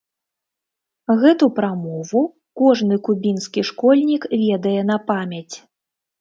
Гэту прамову кожны кубінскі школьнік ведае на памяць.